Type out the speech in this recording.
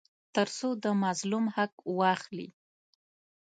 تر څو د مظلوم حق واخلي.